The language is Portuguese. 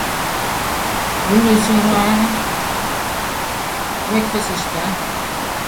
Trilha evangélica